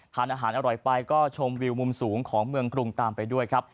ทานอาหารอร่อยไปก็ชมวิวมุมสูงของเมืองกรุงตามไปด้วยครับ